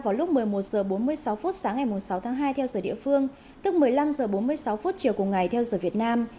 vụ tấn công xảy ra vào lúc một mươi một h bốn mươi sáu sáng ngày sáu tháng hai theo giờ địa phương tức một mươi năm h bốn mươi sáu chiều cùng ngày theo giờ việt nam